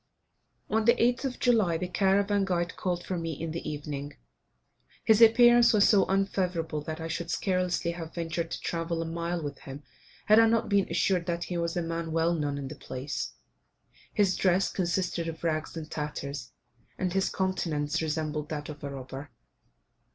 On the 8th of July the caravan guide called for me in the evening. His appearance was so unfavourable that I should scarcely have ventured to travel a mile with him had I not been assured that he was a man well known in the place. His dress consisted of rags and tatters, and his countenance resembled that of a robber.